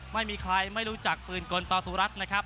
ไม่มีใครไม่รู้จักปืนกลต่อสุรัตน์นะครับ